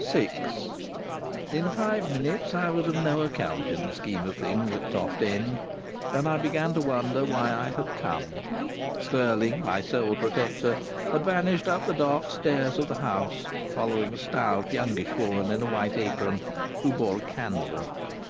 VI In five minutes I was of no account in the scheme of things at Toft End, and I began to wonder why I had come. Stirling, my sole protector, had vanished up the dark stairs of the house, following a stout, youngish woman in a white apron, who bore a candle.